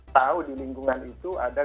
tahu di lingkungan itu ada